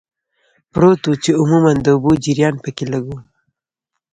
پروت و، چې عموماً د اوبو جریان پکې لږ و.